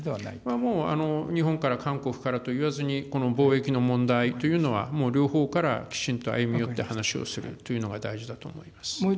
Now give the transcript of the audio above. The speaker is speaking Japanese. もう日本から、韓国からといわずに、この貿易の問題というのは、もう両方からきちんと歩み寄って話をするというのが大事だと思い